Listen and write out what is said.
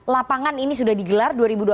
lapangan ini sudah digelar dua ribu dua puluh